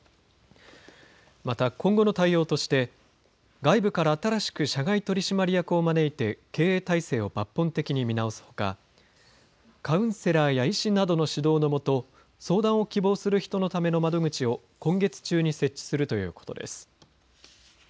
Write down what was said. また今後の対応として外部から新しく社外取締役を招いて経営体制を抜本的に見直すほかカウンセラーや医師などの指導の下相談を希望する人のための窓口を今月中に設置するということです。